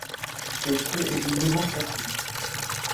Ce trait est doublement profond.